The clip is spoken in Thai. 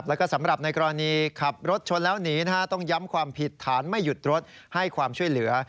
แล้วก็สำหรับในกรณีขับรถชนแล้วหนีนะฮะต้องย้ำความผิดฐานไม่หยุดรถให้ความช่วยเหลือ